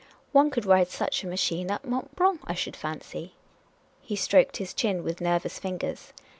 "One could ride such a machine up Mont Blanc, I should fancy." He stroked his chin with nervous fingers.